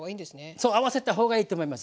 そう合わせた方がいいと思います。